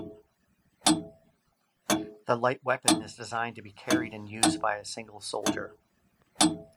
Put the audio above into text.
The light weapon is designed to be carried and used by a single soldier.